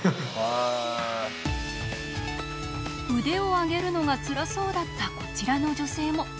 腕を上げるのがつらそうだったこちらの女性も。